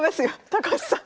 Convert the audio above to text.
高橋さん。